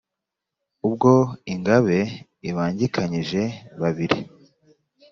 Ubwo Ingabe ibangikanyije babiri !